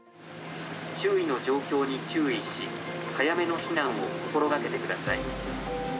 周囲の状況に注意し早めの避難を心がけてください。